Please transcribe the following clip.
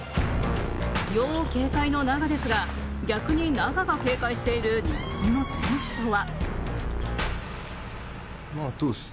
要警戒のナガですが逆にナガが警戒している日本の選手とは。